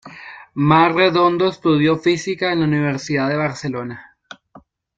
Marc Redondo estudió Física en la Universidad de Barcelona.